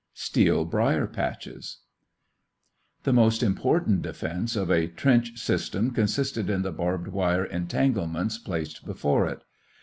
STEEL BRIER PATCHES The most important defense of a trench system consisted in the barbed wire entanglements placed before it.